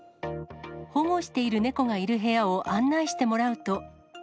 保護している猫がいる部屋を案内してもらうと。